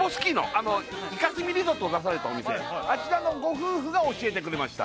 あのイカスミリゾットを出されたお店あちらのご夫婦が教えてくれました